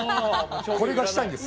これがしたいんです。